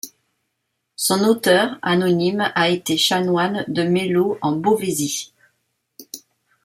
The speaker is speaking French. Son auteur, anonyme, a été chanoine de Mello en Beauvaisis.